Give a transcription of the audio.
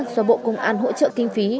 do bộ công an hỗ trợ kinh phí